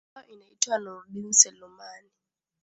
siku yao naitwa nurdin selumani